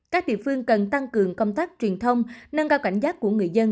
các địa phương cần tăng cường công tác truyền thông nâng cao cảnh giác của người dân